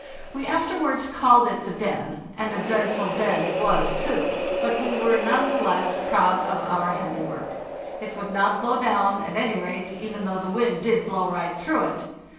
We afterwards called it the den, and a dreadful den it was, too; but we were none the less proud of our handiwork. It would not blow down, at any rate, even though the wind did blow nght through it.